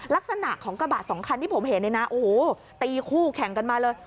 ลักษณะของกระบะสองคันที่ผมเห็นเนี่ยนะโอ้โหตีคู่แข่งกันมาเลย